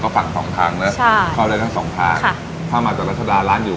ฝั่งสองทางนะใช่เข้าได้ทั้งสองทางค่ะถ้ามาจากรัชดาร้านอยู่